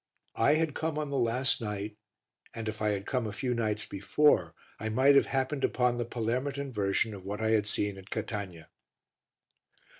I had come on the last night and if I had come a few nights before, I might have happened upon the Palermitan version of what I had seen at Catania.